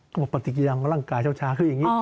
อ๋อก็บอกปฏิกิรังร่างกายเช้าคืออย่างนี้